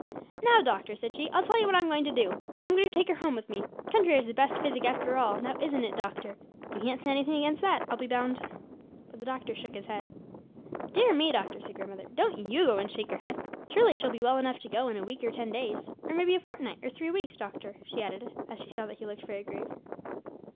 'Now, doctor,' said she, 'I'll tell you what I'm going to do; I'm going to take her home with me. Country air is the best physic after all, now isn't it, doctor? You can't say anything against that, I'll be bound!' But the doctor shook his head. 'Dear me, doctor,' said grandmother, 'don't you go and shake your head. Surely she'll be well enough to go in a week or ten days. Or maybe a fortnight or three weeks, doctor,' she added, as she saw that he looked very grave.